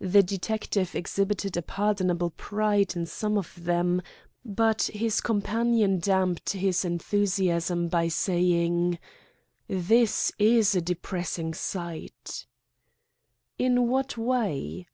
The detective exhibited a pardonable pride in some of them, but his companion damped his enthusiasm by saying: "This is a depressing sight." "In what way?"